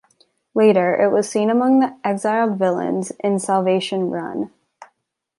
Later, it was seen among the exiled villains in Salvation Run.